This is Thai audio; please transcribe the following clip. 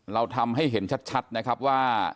เราทำให้เห็นชัดนะครับว่า